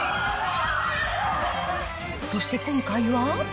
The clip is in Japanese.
そして今回は。